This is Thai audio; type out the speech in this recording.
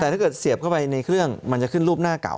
แต่ถ้าเกิดเสียบเข้าไปในเครื่องมันจะขึ้นรูปหน้าเก่า